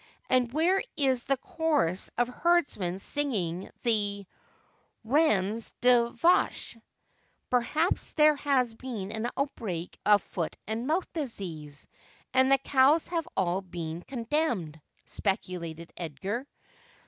And where is the chorus of herdsmen singing the " Rariz des Vaches ?"'' Perhaps there has been an outbreak of foot and mouth disease, and the cows have all been condemned,' speculated Edgar.